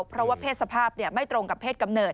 เพราะว่าเพศสภาพไม่ตรงกับเพศกำเนิด